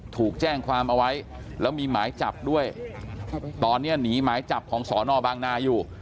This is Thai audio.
ถูกแจ้งความเอาไว้แล้วมีหมายจับด้วยตอนนี้หนีหมายจับของสอนอบางนาอยู่